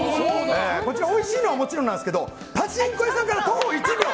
こちら、おいしいのはもちろんなんですけどパチンコ屋さんから徒歩１秒。